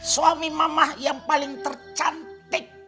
suami mamah yang paling tercantik